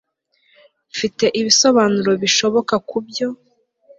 mfite ibisobanuro bishoboka kubyo